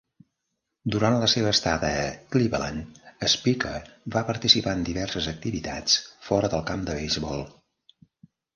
Durant la seva estada a Cleveland, Speaker va participar en diverses activitats fora del camp de beisbol.